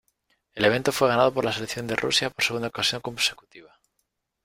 El evento fue ganado por la selección de Rusia por segunda ocasión consecutiva.